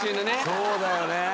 そうだよねぇ